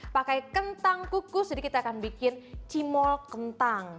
pakai kentang kukus jadi kita akan bikin cimol kentang